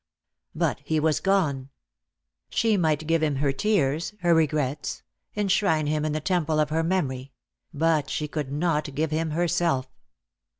But he was gone ! She might give him her tears, her regrets — enshrine him in the temple of her memory — but she could not give him herself.